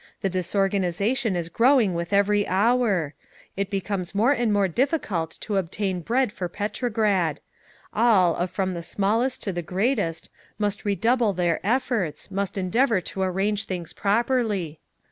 The disorganisation is growing with every hours. It becomes more and more difficult to obtain bread for Petrograd. All, of from the smallest to the greatest, must redouble their efforts, must endeavour to arrange things properly….